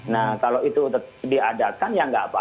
nah kalau itu ulaw diadakan ya gak apa apa